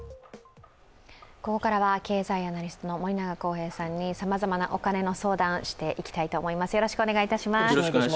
ここからは経済アナリストの森永康平さんにさまざまなお金の相談、していきたいと思います。